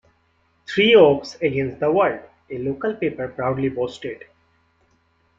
'Three Oaks Against the World', a local paper proudly boasted.